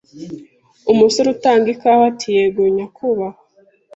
Umusore utanga ikawa ati Yego nyakubahwa